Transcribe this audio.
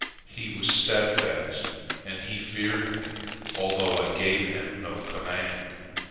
He was steadfast, and he feared Me, although I gave him no command.